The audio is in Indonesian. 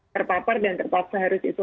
terpapar dan terpaksa harus